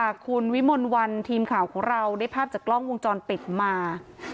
คุณวิมลวันทีมข่าวของเราได้ภาพจากกล้องวงจรปิดมา